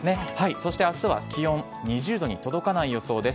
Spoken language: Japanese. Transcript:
そして、あすは気温２０度に届かない予想です。